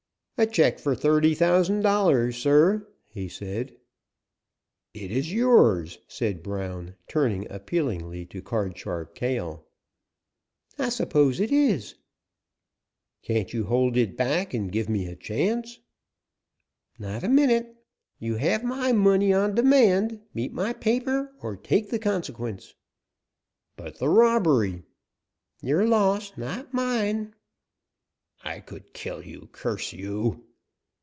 "A check for thirty thousand dollars, sir!" he said. "It is yours," said Brown, turning appealingly to Card Sharp Cale. "I suppose it is." "Can't you hold it back and give me a chance?" "Not a minute. You have my money on demand; meet my paper or take the consequence." "But, the robbery." "Your loss, not mine." "I could kill you, curse you!"